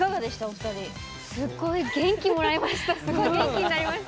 すごい元気になりました。